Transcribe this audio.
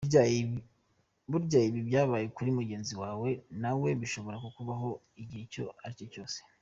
Burya ibibi byabaye kuri mugenzi wawe nawe bishobora kukubaho igihe icyo ari cyo cyose.